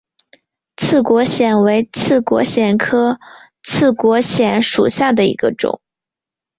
刺果藓为刺果藓科刺果藓属下的一个种。